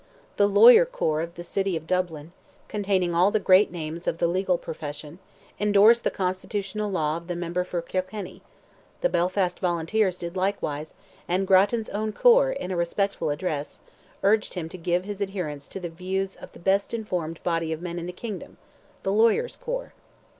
The lawyer corps of the city of Dublin, containing all the great names of the legal profession, endorsed the constitutional law of the member for Kilkenny; the Belfast volunteers did likewise; and Grattan's own corps, in a respectful address, urged him to give his adherence to the views of "the best informed body of men in the kingdom,"—the lawyers' corps.